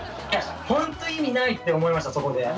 本当意味ないって思いましたそこで。